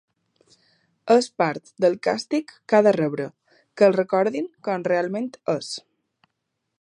És part del càstig que ha de rebre, que el recordin com realment és.